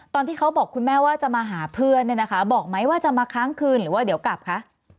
ตอนที่เขาบอกคุณแม่ว่าจะมาหาเพื่อนเนี่ยนะคะบอกไหมว่าจะมาค้างคืนหรือว่าเดี๋ยวกลับคะ